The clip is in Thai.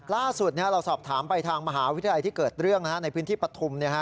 ล่าสุดเราสอบถามไปทางมหาวิทยาลัยที่เกิดเรื่องในพื้นที่ปฐุม